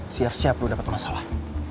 siap siap lu dapet masalah